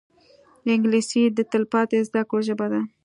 انګلیسي د تلپاتې زده کړو ژبه ده